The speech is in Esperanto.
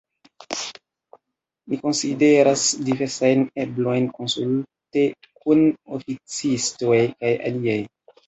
Ni konsideras diversajn eblojn konsulte kun oficistoj kaj aliaj.